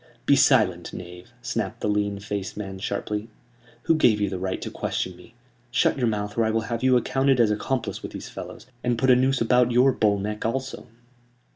"Be silent, knave!" snapped the lean faced man, sharply. "Who gave you the right to question me? Shut your mouth, or I will have you accounted as accomplice with these fellows, and put a noose about your bull neck also!"